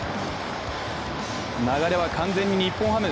流れは完全に日本ハム。